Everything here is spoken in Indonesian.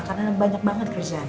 karena banyak banget kerjaannya